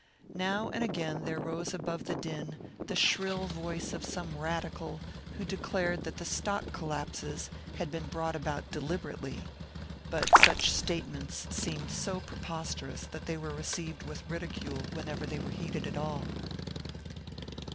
Now and again there rose above the din the shrill voice of some radical who declared that the stock collapses had been brought about deliberately; but such statements seemed so preposterous that they were received with ridicule whenever they were heeded at all.